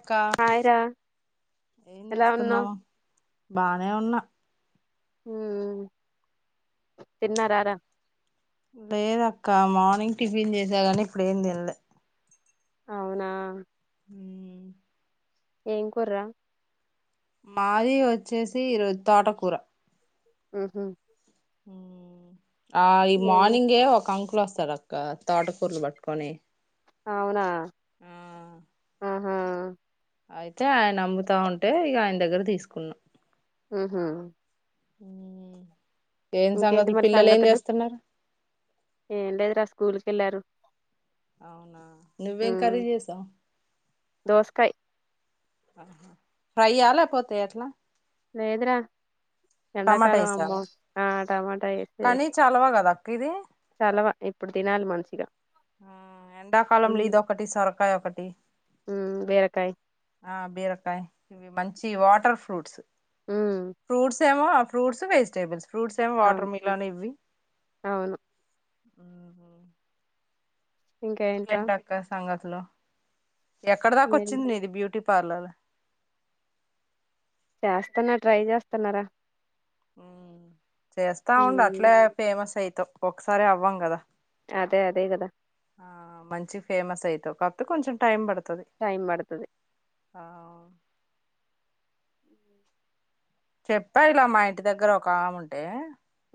క్క హాయ్ రా ఏం ఎలా ఉన్నావ్ చేస్తున్నావు బానే ఉన్నా మ్మ్ తిన్నారార లేదక్క మార్నింగ్ టిఫిన్ చేసా కాని ఇప్పుడు ఏం తిన్నలే అవునా మ్మ్ ఏం కుర్రా మాది వచ్చేసి తోట కూర మ్మ్ హ్మ్ హ్మ్ ఆ ఈ ఏంలే మార్నింగే ఒక అంక్ వస్సరాగ్ కా తోటకూర లు వట్ కొనే అవునా ఆ ఆ అయితే ఆయన అమ్ముతా ఉంటే ఇగ ఆయన దగ్గర తీసుకున్నా మ్మ్ హూ మ్మ్మ్ హ్ ఇంకేంటి మరి సంగతులు అవునా నువ్వేం కర్రీ జేసావ్ దోస్కాయ్ ఆహా ఫ్రైయా లేపోతే ఎట్లా లేదురా టమాటా ఎండకాలం అమ్మో వేసావా ఆ టమాటా ఎత్తే వేసి ఇదే చలవ ఇప్పుడు తినాలి మంచిగా ఆ ఎండాకాలంలో హ్మ్ ఇదొకటి సొరకాయ ఒకటి హ్మ్ బీరకాయ్ ఆ బీరకాయ ఇవి మం చి వాటర్ ఫ్రూట్స్ హ్మ్ ఫ్రూట్స్ ఏమో ఫ్రూట్స్ వెజిటేబుల్స్ ఫ్రూట్స్ ఏమో అవును వాటర్ మిలన్ ఇవ్వి అవును మ్మ్ హ్మ్ ఇంకా ఏంట్రా ఇంక్లేండక్క సంగత్ త్ లో ఎక్కడ దాకా ఏం వచ్చింది ఇది బ్యూటీ పర్లల అస్తున్నా ట్రై చేస్తున్నారా మ్మ్ చేస్తా ఉండు హ్మ్ అట్లే ఫేమస్ అయి తొ ఒక్కసారి అవ్వంగదా అదే అదే గదా ఆ మంచి ఫేమస్ అయితవ్ కాపోతె కొంచెం టైం పడు టైమ్ బడుతది ఆవ్ చెప్పా ఇలా మా ఇంటి దగ్గర ఒకామె ఉంటే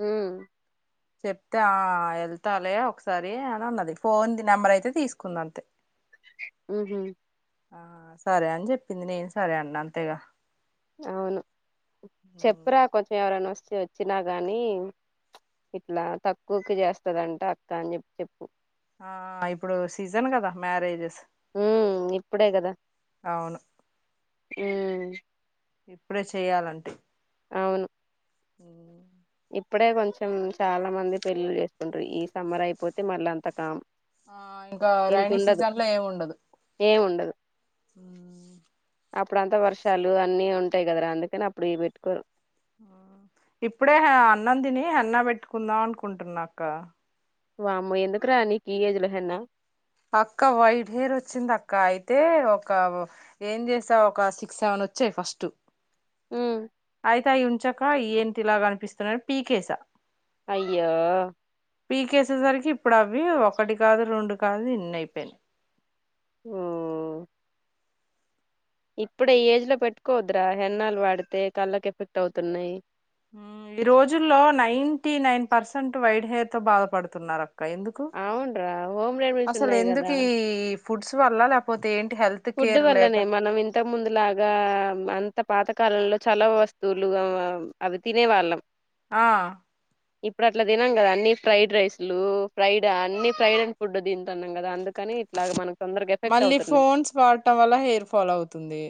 మ్మ్ చెప్త ఆ ఎళ్తాలే ఒకసారి అని అన్నది ఫోన్ నెంబర్ అయితే తీసుకుందాంతే ఉహ్ హు ఆ సరే అని చెప్పింది నేను సరే అన్న అంతేగా అవును చెప్పురా కొంచెం ఎవరైనా వస్త వచ్చినా గాని ఇట్లా తక్కువకి చేస్తదంట అక్క అని చెప్పి చెప్పు ఆ ఇప్పుడు సీజన్ కదా మ్యారేజెస్ ఉహ్ ఇప్పుడే కదా అవును ఉమ్ ఇప్పుడే చెయ్యాలంటే అవును ఉమ్ ఇప్పుడే కొంచెం చాలా మంది పెళ్ళిలు చేసుకుంట్రూ ఈ సమ్మర్ అయిపోతే మళ్ళ అంత కామాన్ ఆ ఇంకా రైనీ సీజన్ లో ఏమి ఉండదు ఏం ఉహ్ అప్పుడ అంతా వర్షాలు అన్నీ ఉంటాయి కదరా అందుకని అప్పుడు ఏ పెట్టుకోరు ఇప్పుడే అన్నం తిని హేన్న పెట్టుకుందాం అనుకుంటున్నాక్క వామో ఎందుకు రా నీకు ఏజ్ లో హేన్న అక్క వైట్ హెయిర్ వచ్చింది అక్క అయితే ఒక ఏం చేసా ఒక సిక్స్ సెవెన్ వచ్చాయి ఫస్ట్ ఉహ్ అయితే అయి ఉంచక ఏంటిలాగ క నిపిస్తున్నాయాని పీకేసా అయ్యో పీకేసేసరికి ఇప్పుడు అవి ఒకటి కాదు రెండు కాదు ఇన్ని అయిపోయినాయి ఉమ్ ఇప్పుడే ఆ ఈ ఏజ్ లో పెట్టుకోవదురా హేన్నాలు వాడితే కళ్ళకి ఎఫెక్ట్ అవుతున్నాయి ఈ రోజుల్లో ninety nine percent white hair తో బాధపడుతున్నారు అక్క అ ఎందుకు అవున్రా హోమ్ రెమెడీస్ అస్సలు ఉన్నాయి ఎందుకు కదా ఈ ఫుడ్స్ వల్ల లేపోతే ఏంటి హెల్త్ ఫుడ్ కేర్ లేక వల్లనే మనం ఇంత ముందు లాగా అ అంత పాతకాలంలో చాలావా వస్తువులు అవి తినే వాళ్ళం ఆ ఇప్పుడు అట్లా తినన్నాం కదా అన్ని ఫ్రైడ్ రైస్లు ఫ్రైడ్ అన్ని ఫ్రైడ్ అండ్ ఫుడ్ తింటున్నాం కదా అందుకు కానీ ఇట్లా గా మనం తోందరగా ఎఫెక్ట్ మళ్ళీ అవుతుంది ఫోన్స్ వాడటం వల్ల హెయిర్ ఫాల్ అవుతుంది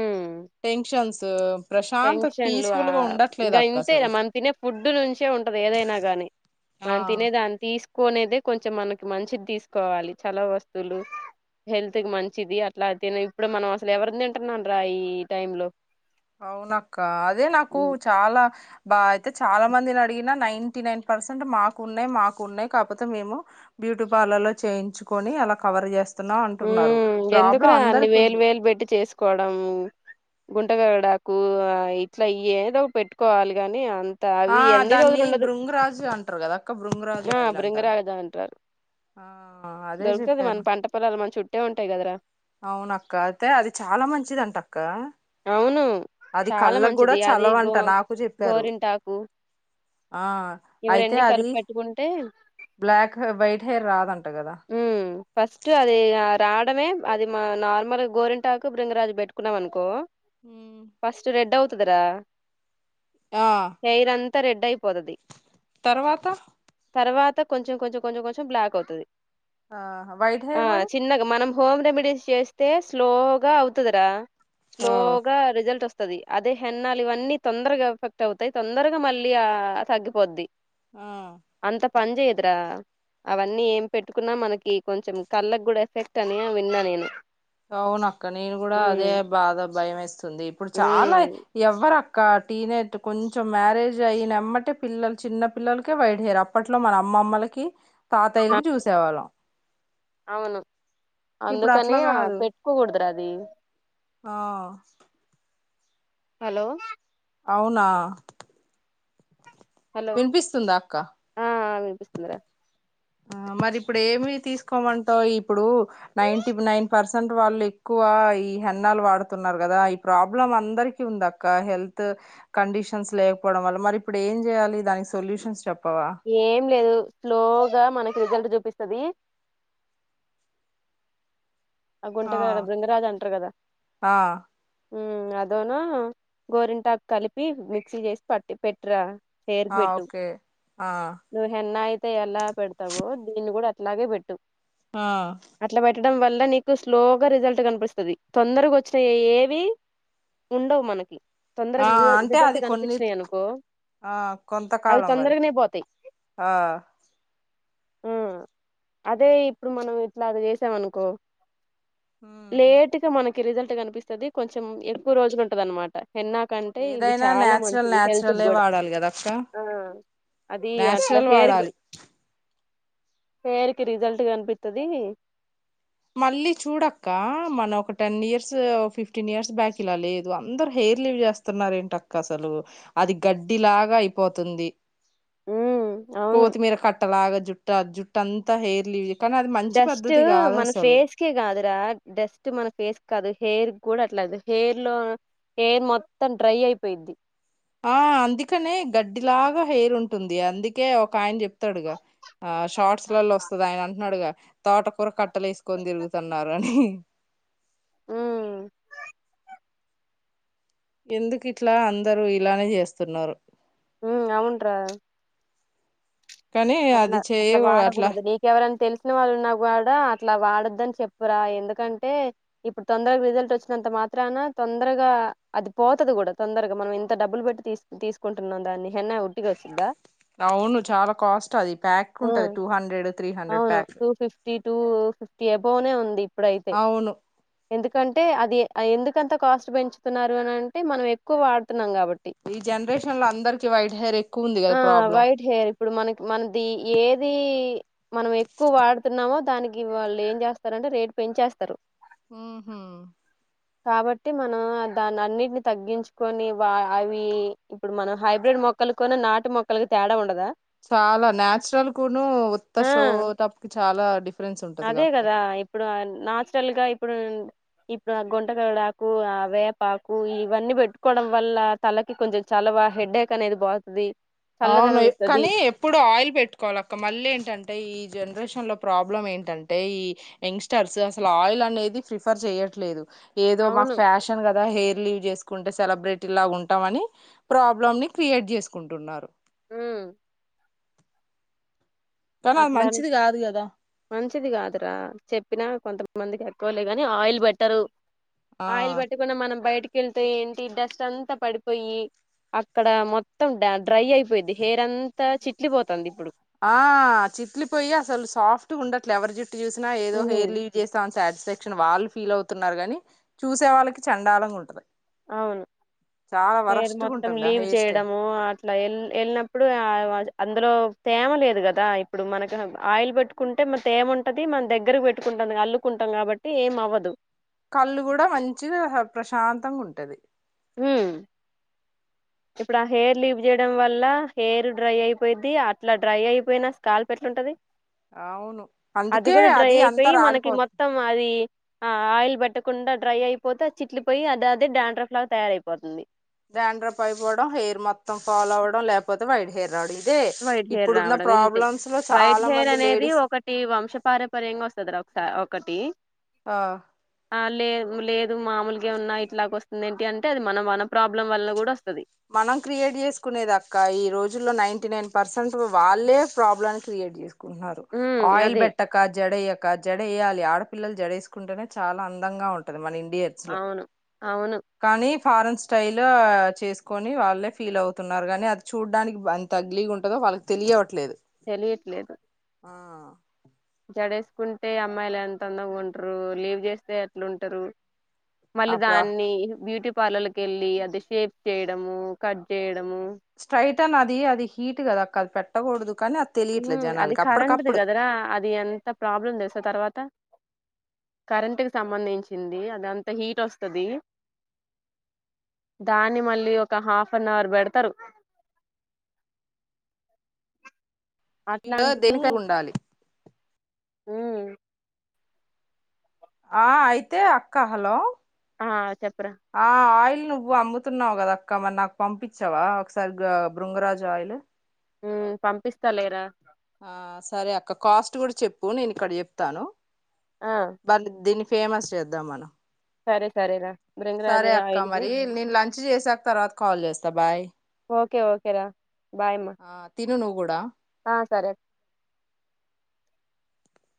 ఉమ్ టెన్షన్స్ ప్రశాంత్ టెన్షన్లు ఆ పీస్ఫుల్గా ఇంకా ఉండట్లేదక్క ఇంతే అస్సలు మనం తినే ఫుడ్ నుంచే ఉంటది ఏదైనా గాని ఆ మనం తినే దాన్ని తీసుకునేదే కొంచం మనకి మంచిది తీసుకోవాలి చాలవ వస్తువులు హెల్త్ కి మంచి మంచిది అట్లా తిని ఇప్పుడు మనం అసలు ఎవరి తింటునం రా ఈ టైం లో అవునక్క అదే నాకు ఉమ్ చాలా బాగా అయితే చాలా మందిని అడిగిన నైన్టీ నైన్ పర్సెంట్ మాకు ఉన్నాయి మాకు ఉన్నాయి కాకపోతే మేము బ్యూటీ పార్లర్ లో చేయించుకొని అలా కవర్ చేస్తాం స్తున్నా అంటున్నారు ఉమ్ ఈ ప్రాబ్లం అందరికి ఉంది కోవడం గుంటగరాడాకు ఇట్లా ఇ ఏదో పెట్టుకోవాలి గానీ అం ఆ దాన్ని బృంగరాజు అంటారు కదా అక్కబృంగరాజు ఆ ఆయిల్ అంటారు బృంగరాజ అంటారు ఆ అదే దొరుకుతది మన చెప్పను పంట పొలాలు మన చుట్టే ఉంటాయి కదరా అవునక్క అయితే అది చాలా మంచిదింట అక్క అవును అది చాలా కళ్ళ కూడా మంచిది అది గో చలవంట నాకు చెప్పారు గోరింటాకు ఆ ఇవి అయితే రెండు అది కలిపి పెట్టుకుంటే బ్లాక్ వైట్ హెయిర్ రాదంట కదా ది రావడమే అది మా నార్మల్ గోరింటాకు బ్రింగరాజు పెట్టుకున్నాం అనుకో ఉమ్. ఫస్ట్ రెడ్ అవు తుదరా ఆ త రెడ్డయి పోదద్ది తర్వాత తరవా కొంచెం కొంచెం కొంచెం కొంచెం బ్లాక్ అవుతది ఆహా వైట్ ఆ హెయిర్ మరి చిన్నగా మనం హోమ్ రెమెడీస్ చేస్తే స్లోగా అవుతదిరా ఆ స్లోగా రిజల్ట్ వస్ తది అదే హెన్నాలు ఇవన్నీ తొందరగా ఎఫెక్ట్ అవుతాయి తొందరగా మళ్ళీ ఆ తగ్గిపోద్ది ఆ అంత పని చెయ్యదురా అవన్నీ ఏం పెట్టుకున్నా మనకి కొంచెం కళ్ళకి కూడా ఎఫెక్ట్ అని విన్నా నేను అవునక్క నేను కూడా అదే ఉమ్ బాధ భయం వేస్తుంది ఇప్పుడు చాలా ఉమ్ ఎవ్వర టీనేజ్ కొంచెం మ్యారేజ్ అయినమ్మటే పిల్లలు చిన్న పిల్లలకే వైడ్ హేరు అప్పట్లో మన అమ్మమ్మ లకి ఆ, తాతయ్యకి చూసేవాళ్ళం అవును ఇప్పుడు అందుకని అట్లా ఆ కాదు పెట్ కోకూడదురా అది ఆ హలో అవునా హలో వినిపిస్తుందా అక్క ఆ వినిపిస్తుందిరా ఆ మరి ఇప్పుడు ఏమి తీసుకోమంటావ్ ఇప్పుడు నైన్టీ నైన్ పర్సెంట్ వాళ్ళు ఎక్కువ ఈ హెన్నాలు వాడుతున్నారు కదా ఈ ప్రాబ్లం అందరికి ఉందక్క హెల్త్ కండిషన్స్ లేకపోవడం వల్ల మరి ఇప్పుడు ఏం చేయాలి దానికి సొల్యూషన్స్ చెప్ ఏం లేదు స్లోగా మన రిజల్ట్ చూపిస్తది ఆ గుంటగాదా బృంగరాజు అంటారు కదా ఆ అదోను గోరింటాకు కలిపి మిక్సీ చేసి పట్టి పెట్టురా చేరు ఆ పెట్టు ఓకే ఆ నువ్ హెన్నాయి తే ఎలా పెడతావో దీన్ని కూడా అట్లాగే పెట్టు ఆ డం వల్ల నీ స్లోగా రిజల్ట్ కనిపిస్తది తొందరగా వచ్చిన ఏది ఉండవు మనకి ఆ తొందరగా రి అంటే రిజల్ట్ అది కొన్ని కనిపించినాయి అనుకో ఆ అవి కొంతకాలం వరకి తొందరగానే ఆ ఉ అదే ఇప్పుడు మనం ఇట్లా అది చేసామనుకో ఉమ్. లేేటుక మనక్ రిజల్ట్ కనిపిస్తది కొంచెం ఎక్కువ రోజులు ఉంటది అన్నమాట ఎన్నాకంటే ఇవి ఏదైనా చాలా న్యాచురల్ మంచివి హెల్త్ న్యాచురలే కూడా వాడాలి కదా అక్క ఆ అది అట్లా న్యాచురల్ వాడాలి హెయిర్కి పేరుకి రిజల్ట్ కనిపితది మళ్ళీ చూడక్క మనం ఒక ten years fifteen years back ఇలా లేదు అందరు హెయిర్ లివ్ చేస్తున్నారు ఏంటక్క అసలు అది గడ్డి లాగా అయిపోతుంది ఉమ్ అవును కోతి మీర కట్ట లాగా జుట్టా ఆ జుట్ అంత హేర్ లీవ్ కానీ అది మంచి డస్ట్ పద్దతి కాదు మన అస ఫేస్ కి కాదు రా డస్ట్ మన ఫేస్కి కాదు హెయిర్ కూడా అట్లాదు హెయిర్ లో హెయిర్ మొత్తం డ్రై అయిపోయిద్ది ఆ అందికనే గడ్ డిలాగా హెయిర్ ఉంటుంది అందుకే ఒక ఆయన చెప్ తాడుగా ఆ షార్ట్స్ లలో వస్తది ఆయన అంటున్నాడుగా తోటకూర కట్టలు ఏసుకొని తిరుగుతున్నారు అని ఉ ఎందుకు ఇట్లా అందరు ఇలానే చేస్తున్నారు ఉ అవును రా కానీ అట్లా అది చేయ అట్లా అట్లా వాడకూడదు నీకెవరన తెలిస్ న వాళ్ళున్నా కూడా అట్లా వాడద్దని చెప్పురా ఎందుకంటే ఇప్పుడు తొందరగా రిజల్ట్ వచ్చినంత మాత్రన తొందరగా అది పోతది కూడా తొందరగా మనం ఇంత డబ్బులు పెట్టి తీస్ తీసుకుంటున్నాం దాన్ని హెన్నా ఉట్టిగా వచ్చిద్దా అవును చాలా కాస్ట్ అది ప్యాక్ ఉంటది um two hundred three hundred అవును pack two fifty, two fifty above నే ఉంది ఇప్పుడైతే అవును ఎందుకంటే అది ఎందుకంత కాస్ట్ పెంచుతున్నారు అని అంటే మనం ఎక్కువ వాడు తున్ ఈ జనరేషన్ లో అందరికి వైట్ హెయిర్ ఎక్కువ ఉంది కదా ఆ! ప్రాబ్లం వైట్ హెయిర్ ఇప్పుడు మనకి మనది ఏది మనం ఎక్కువ వాడుతున్నామో దానికి వాళ్ళు ఏం చేస్తారంటే రేటు పెంచేస్తారు ఉహు కాబట్టి మనం దాన్ని అన్నిటిని తగ్గించుకొని వా అవి ఇప్పుడు మనం హైబ్రిడ్ మొక్కలు కూను నాటు మొక్కలకి తేడా ఉండదా చాలా న్యాచురల్ కును ఉత్త షో ఆ! టప్ కి చాలా డిఫరెన్స్ ఉంటదిగా అదే అక్క కదా ఇప్పుడు న్యాచురల్ గా ఇప్పుడు ఇప్పుడు ఆ గుంటకాలుడాకు ఆ వేపాకు ఇవన్నీ పెట్టుకోవడం వల్ల తలకి కొంచెం చాలవా హెడ్డేక్ అనేది బాగుతుది అవును కానీ ఎప్పుడు ఆయిల్ పెట్టుకోవాలి అక్క మళ్ళీ ఏంటంటే ఈ జనరేషన్ లో ప్రాబ్లం ఏంటంటే ఈ యంగ్స్టర్స్ అసలు ఆయిల్ అనేది ప్రిఫర్ చేయట్లేదు ఏదో మాకు అవును ఫ్యాషన్ గా హెయిర్ లీవ్ చేసుకుంటే సెలబ్రిటీ లా ఉంటాం అని ప్రాబ్లమ్ ని క్రియేట్ చేసుకుంటున్నారు మ్ కానీ అది అట్లానే మంచిది కాదు కదా మంచిది కాదురా చెప్పినా కొంతమందికి ఎక్కువలే ని ఆయిల్ బెట్టర్ ఆ ఆయిల్ పెట్టుకుండా మనం బయటి కెళ్తే ఏంటి డస్ట్ అంతా పడిపోయి అక్కడ మొత్తం డ డ్రై అయిపోయిద్ది, హెయిర్ అంతా చిట్లిపోతంది ఇప్పుడు. ఆ చిట్లిపోయి అసలు సాఫ్ట్గుండట్లే ఎవరి జుట్ ఇ చూసిన ఏదో ఉమ్, హయిర్ వ్ చేస్తా అ శాడ్స్ శక్షన్ వాళ్ళు ఫీల్ అవుతున్నారు కాని చూసే వాళ్ళకి చండాలంగా ఉంటది అవును చాలా పేరు వరస్ట్గా మొత్తం ఉంటుంది ఆ లీవ్ హెయిర్ స్టైల్ చేయడము అట్లా వె వెళ్ళినప్పుడు అందులో తేమ లేదు కదా, ఇప్పుడు మనకి ఆయిల్ పెట్టుకుంటే మన తేమ ఉంటది మన దగ్గరకు పెట్టుకుంటుంది అల్లుకుంటాం కాబట్టి ఏం అవ్వదు. కళ్ళు కూడా మంచిగా ప్రశాంత్ మొత్తంగా ఉంటది మ్ ఇప్పుడు ఆ హెయిర్ లీప్ చేయడం వల్ల హెయిర్ డ్రై అయిపోయిద్ది, అట్లా డ్రై అయిపోయినా స్కాల్ప్ ఎట్లుంటది అవును అది అందుకే కూడా డ్రై అంతా అయిపోయి మనకి రాలిపోతుంది మొత్తం అది ఆ ఆయిల్ బట్ట కాకుండా డ్రై అయిపోతే, చిట్లిపోయి అదిదే డా్యాండ్ర ఫ్లాగా తయారైపోతుంది. గ్యాండ్రప్ అయిపోవడం హెయిర్ మొత్తం ఫాల్ అవడం లేకపోతే వైట్ హెయిర్ రావడం ఇదే వైట్ హెయిర్ ఇప్పుడున్న రావడం ఇంతే ప్రాబ్లమ్స్ లో వైట్ చాలా హెయిర్ మంది అనేది లేడీస్ ఒకటి వంశపారపర్యంగా వస్తుంది ఒకసారి ఒకటి ఆ లే లేదు మామూలుగా ఉన్నా ఇట్లాగ వస్తుంది, ఏంటి అంటే అది మన వన ప్రాబ్లం వల్ల కూడా వస్తది మనం క్రియేట్ చేసుకునేది అక్క ఈ రోజుల్లో నైన్ టీ నైన్ పర్సెంట్స్ వాళ్ళే ప్రాబ్లమ్ క్రియేట్ చేసుకు న్నారు ఉమ్ ఆయిల్ అదే పెట్టక జడయేక జడ వేయాలి ఆడపిల్లలు జడ వేసుకుంటేనే చాలా అందంగా ఉంటది. మన ఇం ఇయర్స్ లో అవును అవును కానీ ఫారెన్ స్టైల్ చేసు కొని వాళ్ళే ఫీల్ అవుతున్నారు కానీ అది చూడ్డానికి ఎంత అగ్లీగా ఉంటుందో వాళ్ళకి తెలియవట్లేదు తెలియట్లేదు హా జడేసుకుంటే అమ్మాయిలు ఎంత అందంగా ఉంట్రు లీవ్ చేస్తే ఎట్లుంటారు అప్రా మళదాన్ని బ్యూటీ పార్లర్ల కి వెళ్ళి అది షేప్ చేయడము కట్ చేయ స్ట్రైట అన్ అది అది హీట్ కదా కళ్ళు పెట్టకూడుదు ఉ అది కరెంట్ ది కదరా అది ఎంత ప్రాబ్లం తెలుసా తర్వాత కరెంట్ కి సంబంధించింది అదంత హీట్ వస్తుంది. దాన్ని మళ్ళీ ఒక హాఫ్ నవర్ పెడతారు ఇలో దీనికి అన ఉండాలి హు ఆ అయితే అక్క హలో ఆ చెప్పరా ఆ ఆయిల్ నువ్వు అమ్ముతున్నావు కదా అక్క మ నాకు పంపించావా ఒకసారి బృంగరాజు ఆయిల్ ఉ పంపిస్తా లేరా ఆ సరే అక్క కాస్ట్ కూడా చెప్పు నేను ఇక్కడ చెప్తాను ఆ వాళ్లది ఫేమస్ చేద్దాం మనం సరే సరేరా భృంగరాజ సరే అక్క ఆయిల్ అని మరి నేను లంచ్ చేసాక తర్వాత కాల్ చేస్తా బాయ్ ఒకే ఒకే రా బాయ్ బాయ్ మా ఆ తిను నువ్వు కూడా ఆ సరే